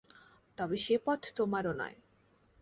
তবে সে-পথ তোমারও নয়।